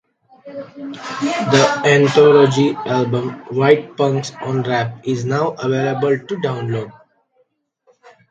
The anthology album, "White Punks on Rap" is now available to download.